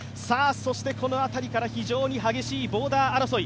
そしてこの辺りから非常に激しいボーダー争い。